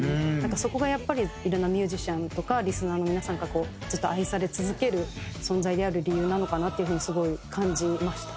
そこがやっぱりいろんなミュージシャンとかリスナーの皆さんからずっと愛され続ける存在である理由なのかなっていう風にすごい感じましたね。